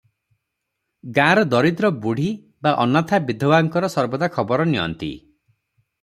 ଗାଁର ଦରିଦ୍ର ବୁଢ଼ୀ ବା ଅନାଥା ବିଧବାଙ୍କର ସର୍ବଦା ଖବର ନିଅନ୍ତି ।